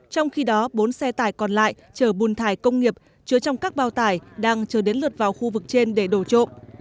trong khi đó bốn xe tải còn lại chờ bùn thải công nghiệp chứa trong các bao tải đang chờ đến lượt vào khu vực trên để đổ trộm